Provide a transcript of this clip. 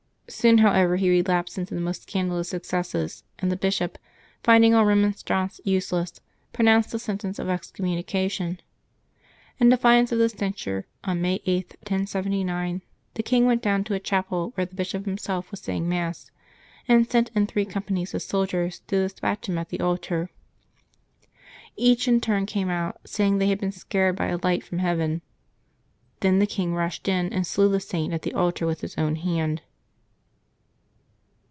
Soon, however, he relapsed into the most scandalous excesses, and the bishop, finding all remonstrance useless, pronounced the sentence of excommunication. In defiance of the cen sure, on May 8, 1079, the king went down to a chapel where the bishop himself was saying Mass, and sent in three com panies of soldiers to dispatch him at the altar. Each in turn came out, saying they had been scared by a light from heaven. Then the king rushed in and slew the Saint at the altar with his own hand.